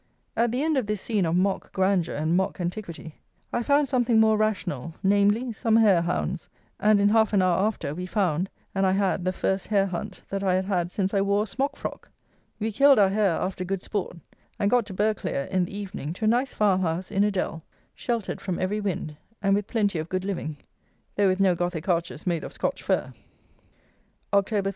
At the end of this scene of mock grandeur and mock antiquity I found something more rational; namely, some hare hounds, and, in half an hour after, we found, and I had the first hare hunt that I had had since I wore a smock frock! We killed our hare after good sport, and got to Berghclere in the evening to a nice farm house in a dell, sheltered from every wind, and with plenty of good living; though with no gothic arches made of Scotch fir! _October 31.